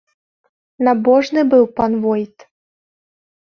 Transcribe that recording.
Набожны быў пан войт.